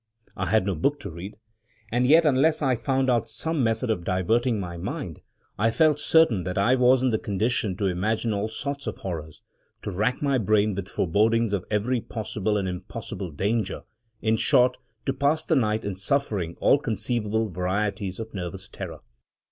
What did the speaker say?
I had no book to read. And yet, unless I found out some method of diverting my mind, I felt certain that I was in the condition to imagine all sorts of horrors; to rack my brain with forebodings of every possible and impossible danger; in short, to pass the night in suffering all conceivable varieties of nervous terror.